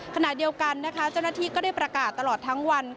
ขณะเดียวกันเจ้าหน้าที่ก็ได้ประกาศตลอดทั้งวัน